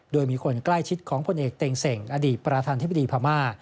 โดยมีคนใกล้ชิดของพลเอกเต็งเส่งอดีตประธานธิบดีพม่า